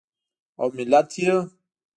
او ملت یې